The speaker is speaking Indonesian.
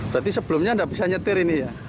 berarti sebelumnya tidak bisa nyetir ini ya